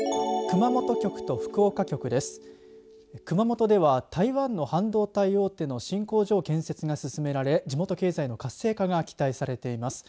熊本では台湾の半導体大手の新工場建設が進められ地元経済の活性化が期待されています。